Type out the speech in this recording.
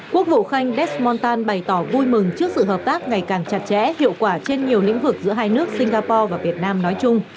quốc vụ khanh desmontan bày tỏ vui mừng trước sự hợp tác ngày càng chặt chẽ hiệu quả trên nhiều lĩnh vực giữa hai nước singapore và việt nam nói chung